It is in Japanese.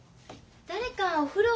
誰かお風呂。